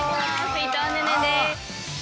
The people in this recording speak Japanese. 伊藤寧々です。